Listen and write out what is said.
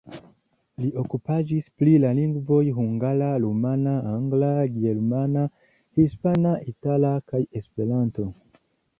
Li okupiĝis pri la lingvoj hungara, rumana, angla, germana, hispana, itala kaj Esperanto.